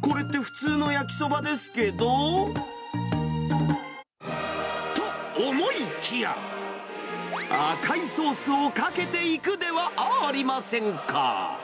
これって普通の焼きそばですけど。と思いきや、赤いソースをかけていくではあーりませんか。